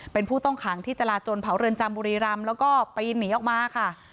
เป็นผู้ต้องขังที่จราจนเผาเรือนจำบุรีรำแล้วก็ปีนหนีออกมาค่ะ